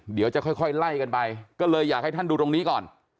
เดี๋ยวจะค่อยไล่กันไปก็เลยอยากให้ท่านดูตรงนี้ก่อน